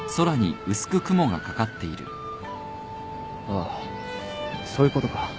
ああそういうことか。